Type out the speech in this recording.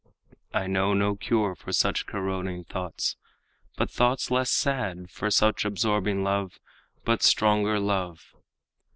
I know no cure for such corroding thoughts But thoughts less sad, for such absorbing love But stronger love."